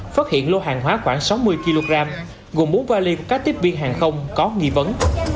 phát hiện lô hàng hóa khoảng sáu mươi kg gồm mũ vali của các tiếp viên hàng không có nghi vấn